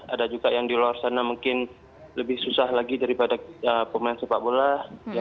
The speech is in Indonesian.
ada juga yang di luar sana mungkin lebih susah lagi daripada pemain sepak bola